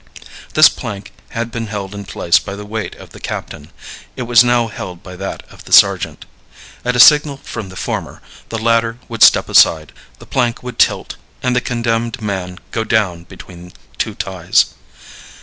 This plank had been held in place by the weight of the captain; it was now held by that of the sergeant. At a signal from the former, the latter would step aside, the plank would tilt, and the condemned man go down between two ties.